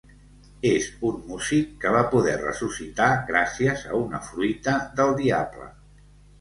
És un músic que va poder ressuscitar gràcies a una fruita del diable.